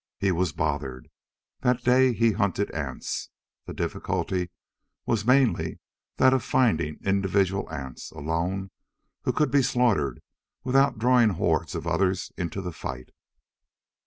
He was bothered. That day he hunted ants. The difficulty was mainly that of finding individual ants, alone, who could be slaughtered without drawing hordes of others into the fight.